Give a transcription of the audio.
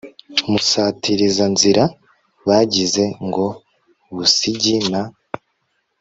Musatirizanzira bagize ngo Busigi na